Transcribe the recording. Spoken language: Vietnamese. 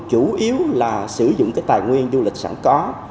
chủ yếu là sử dụng cái tài nguyên du lịch sẵn có